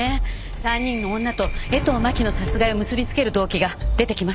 ３人の女と江藤真紀の殺害を結びつける動機が出てきません。